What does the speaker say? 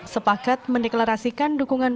sepakat mendeklarasikan dukungan